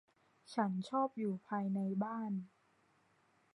ฉันชอบอยู่ภายในบ้าน